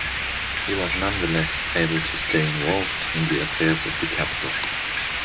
He was nonetheless able to stay involved in the affairs of the capital.